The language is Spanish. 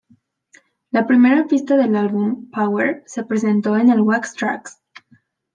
La primera pista del álbum, "Power", se presentó en el "Wax Trax!